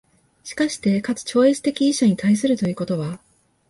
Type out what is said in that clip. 而して、かく超越的一者に対するということは、